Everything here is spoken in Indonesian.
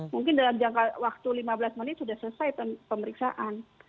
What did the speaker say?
mungkin dalam jangka waktu lima belas menit sudah selesai pemeriksaan